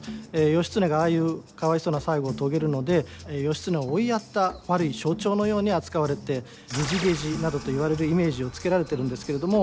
義経がああいうかわいそうな最期を遂げるので義経を追いやった悪い象徴のように扱われて「げじげじ」などと言われるイメージをつけられてるんですけれども。